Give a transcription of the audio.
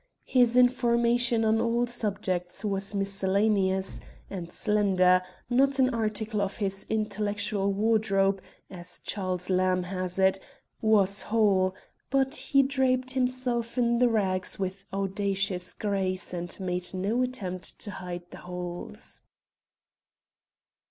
His information on all subjects was miscellaneous and slender, not an article of his intellectual wardrobe as Charles Lamb has it was whole; but he draped himself in the rags with audacious grace and made no attempt to hide the holes.